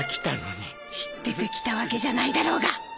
知ってて来たわけじゃないだろうが！